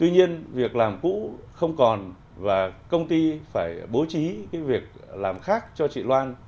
nhiên việc làm cũ không còn và công ty phải bố trí việc làm khác cho chị loan